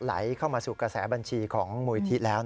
ไหลเข้ามาสู่กระแสบัญชีของมูลิธิแล้ว